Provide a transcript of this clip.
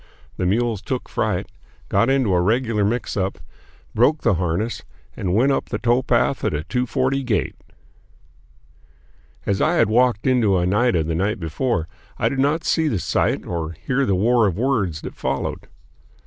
The mules took fright, got into a regular mixup, broke the harness, and went up the towpath at a two forty gait. As I had walked into Oneida the night before, I did not see the sight or hear the war of words that followed.